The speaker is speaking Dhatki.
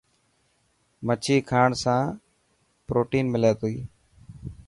مڇي کاڻ سان پروٽين ملي ٿي.